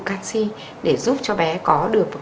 canxi để giúp cho bé có được